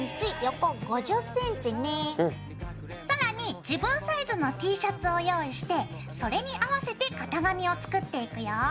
更に自分サイズのＴシャツを用意してそれに合わせて型紙を作っていくよ。